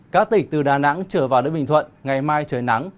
các tỉnh từ đà nẵng trở vào đất bình thuận ngày mai trời nắng